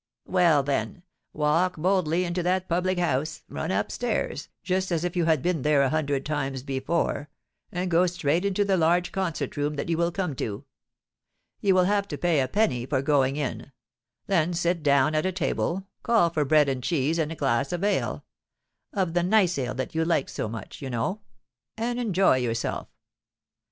—'Well, then, walk boldly into that public house; run up stairs, just as if you had been there a hundred times before; and go straight into the large concert room that you will come to. You will have to pay a penny for going in. Then sit down at a table, call for bread and cheese and a glass of ale—of the nice ale that you like so much, you know; and enjoy yourself.